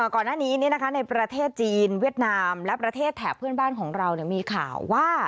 ก่อนหน้านี้ในประเทศจีนเวียดนามและประเทศแถบเพื่อนบ้านของเรามีข่าวว่า